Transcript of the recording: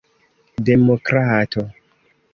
demokrato